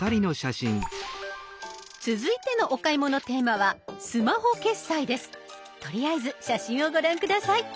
続いてのお買い物テーマはとりあえず写真をご覧下さい。